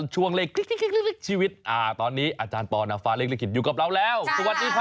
ช่วงเลขชีวิตตอนนี้อาจารย์ปอนาฟาเลขลิขิตอยู่กับเราแล้วสวัสดีค่ะ